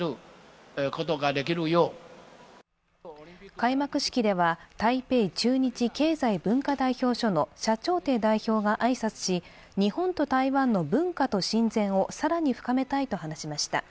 開幕式では、台北駐日経済文化代表処の謝長廷代表が挨拶し日本と台湾の文化と親善を更に深めたいと話しました。